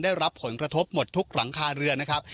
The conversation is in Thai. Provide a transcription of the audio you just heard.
ได้รับผลกระทบหมดทุกหลังคาเรือนนะครับ